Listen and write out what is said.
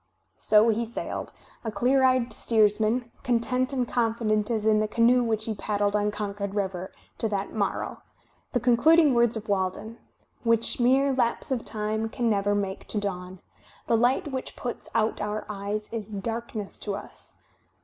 So he sailed, a clear eyed steersman, content and confident as in the canoe which he paddled on Concord River, to that morrow — the concluding words of "Walden" — "which mere lapse of time can never make to dawn. The Ught which puts out our eyes is darkness to us.